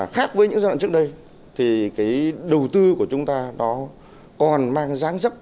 khác với những giai đoạn trước đây đầu tư của chúng ta còn mang ráng rấp